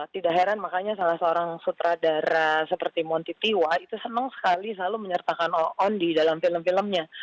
tidak heran makanya salah seorang sutradara seperti monti tiwa itu senang sekali selalu menyertakan oon di dalam film filmnya